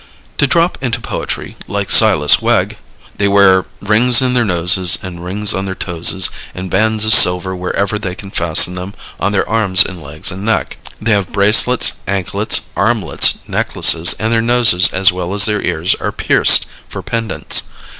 To drop into poetry, like Silas Wegg, they wear rings in their noses and rings on their toeses, and bands of silver wherever they can fasten them on their arms and legs and neck. They have bracelets, anklets, armlets, necklaces, and their noses as well as their ears are pierced for pendants.